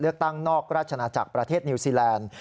ตั้งนอกราชนาจักรประเทศนิวซีแลนด์